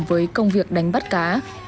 với công việc đánh bắt cá